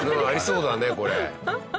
ありそうだねこれ。